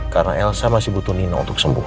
karena elsa masih butuh nino untuk sembuh